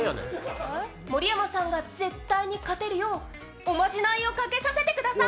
盛山さんが絶対に勝てるよう、おまじないをかけさせてください。